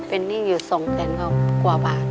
เป็นหนี้อยู่๒แสนกว่าบาท